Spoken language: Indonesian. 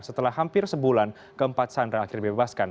setelah hampir sebulan keempat sandera akhirnya dibebaskan